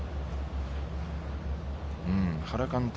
原監督